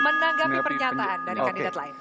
menanggapi pernyataan dari kandidat lain